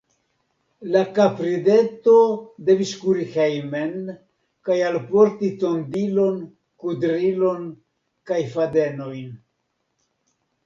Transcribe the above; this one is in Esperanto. La kaprideto devis kuri hejmen kaj alporti tondilon, kudrilon kaj fadenojn.